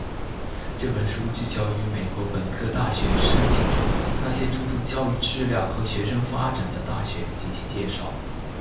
这本书聚焦于美国本科大学申请中那些注重教育质量和学生发展的大学及其介绍。